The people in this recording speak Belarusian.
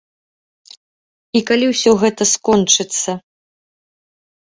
І калі ўсё гэта скончыцца?